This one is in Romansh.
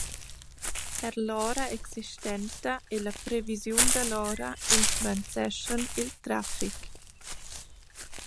Eir l’ora existenta e la previsiun da l’ora influenzeschan il trafic.